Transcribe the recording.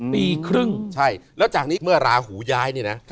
ปีครึ่งใช่แล้วจากนี้เมื่อราหูย้ายเนี่ยนะ